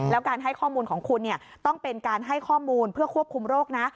แล้วการให้ข้อมูลของคุณต้องเป็นการให้ข้อมูลเพื่อควบคุมโรคนะ